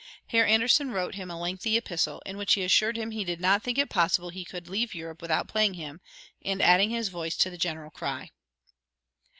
Herr Anderssen wrote him a lengthy epistle, in which he assured him he did not think it possible he could leave Europe without playing him, and adding his voice to the general cry.